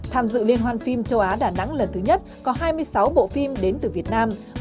tham dự liên hoan phim châu á đà nẵng lần thứ nhất có hai mươi sáu bộ phim đến từ việt nam